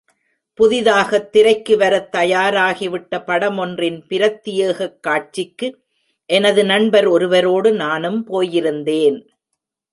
புதிதாகத் திரைக்கு வரத் தயாராகிவிட்ட படம் ஒன்றின் பிரத்தியேகக் காட்சிக்கு எனது நண்பர் ஒருவரோடு நானும் போயிருந்தேன்.